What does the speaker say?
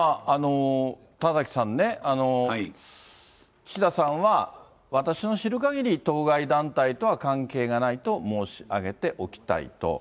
田崎さんね、岸田さんは、私の知るかぎり当該団体とは関係がないと申し上げておきたいと。